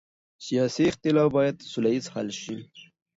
سیاسي اختلاف باید سوله ییز حل شي